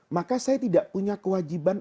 maka saya tidak punya kewajiban